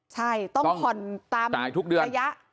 ใช่ต้องผ่อนตามระยะ